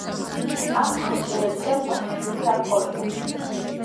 ამ ქორწინებიდან მას შვილი არ ყოლია.